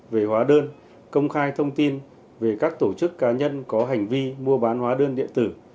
về hóa đơn công khai thông tin về các tổ chức cá nhân có hành vi mua bán hóa đơn điện tử